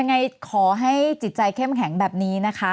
ยังไงขอให้จิตใจเข้มแข็งแบบนี้นะคะ